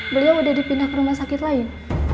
beliau sudah dipindah ke rumah sakit lain